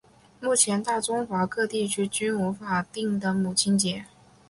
目前大中华各地区均无法定的母亲节。